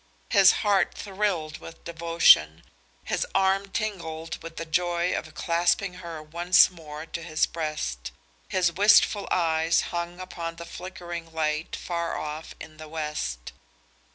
His heart thrilled with devotion; his arm tingled with the joy of clasping her once more to his breast; his wistful eyes hung upon the flickering light far off in the west.